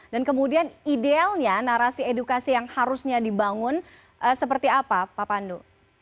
dan kemudian idealnya narasi edukasi yang harusnya dibangun seperti apa pak pandu